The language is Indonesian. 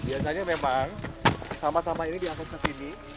biasanya memang sampah sampah ini diangkut ke sini